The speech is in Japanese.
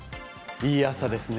いい朝ですね。